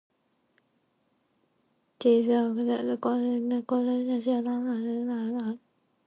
These galleries connect the central pavilion with the southern and northern pavilions.